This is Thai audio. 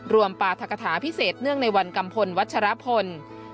ปราธกฐาพิเศษเนื่องในวันกัมพลวัชรพล